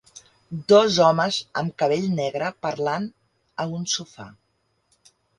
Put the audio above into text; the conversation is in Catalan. Dos homes amb cabell negre parlant a un sofà.